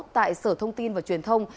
tại sở thông tin và truyền thông